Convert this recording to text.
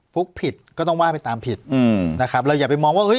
ฟุ๊กผิดก็ต้องว่าไปตามผิดอืมนะครับเราอย่าไปมองว่าเฮ